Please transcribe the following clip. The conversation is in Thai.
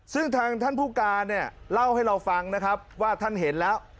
ซึ่งทางท่านผู้การเนี่ยเล่าให้เราฟังนะครับว่าท่านเห็นแล้ว